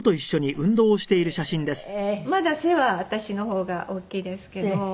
まだ背は私の方が大きいですけど。